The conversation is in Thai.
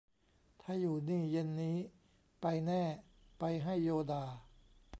ถ้าอยู่นี่เย็นนี้ไปแน่ ไปให้โยด่า